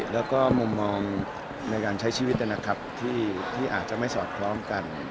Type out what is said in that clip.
แล้วก็มุมมองในการใช้ชีวิตนะครับที่อาจจะไม่สอดคล้องกัน